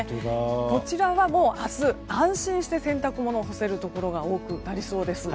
こちらは明日、安心して洗濯物を干せるところが多くなりそうです。